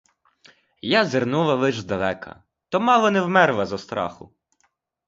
Я зирнула лиш здалека, то мало не вмерла зо страху.